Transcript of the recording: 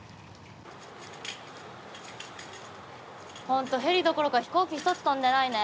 ほんとヘリどころか飛行機一つ飛んでないね。